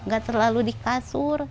gak terlalu di kasur